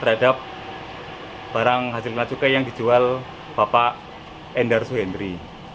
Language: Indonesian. terhadap barang hasil bena cukai yang dijual bapak endar suhendri